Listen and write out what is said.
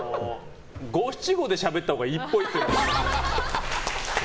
五七五でしゃべったほうがいいっぽい。